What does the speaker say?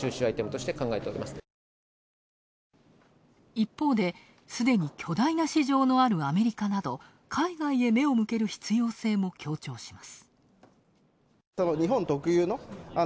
一方で、すでに巨大な市場のあるアメリカなど、海外へ目を向ける必要性も強調します。